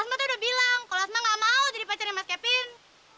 asma tuh udah bilang kalau asma nggak mau jadi pacarnya mas kepin